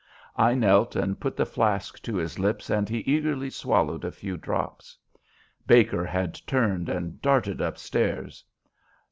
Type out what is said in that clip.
I knelt and put the flask to his lips and he eagerly swallowed a few drops. Baker had turned and darted up stairs.